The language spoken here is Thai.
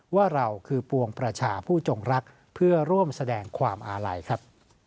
ว่าเราคือปวงประชาผู้จงรักเพื่อร่วมแสดงความอาลัยครับ